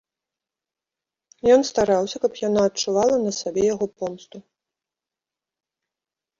Ён стараўся, каб яна адчувала на сабе яго помсту.